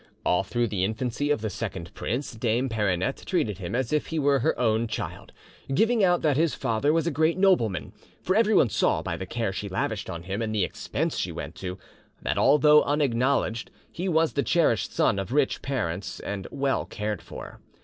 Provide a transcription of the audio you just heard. "'All through the infancy of the second prince Dame Peronete treated him as if he were her own child, giving out that his father was a great nobleman; for everyone saw by the care she lavished on him and the expense she went to, that although unacknowledged he was the cherished son of rich parents, and well cared for.